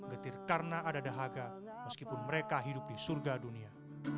getir karena ada dahaga meskipun mereka hidup di surga dunia